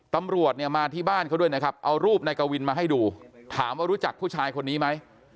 ตำรวจเนี่ยมาที่บ้านเขาด้วยนะครับเอารูปนายกวินมาให้ดูถามว่ารู้จักผู้ชายคนนี้ไหม